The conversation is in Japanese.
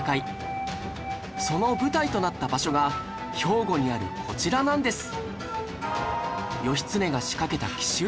その舞台となった場所が兵庫にあるこちらなんです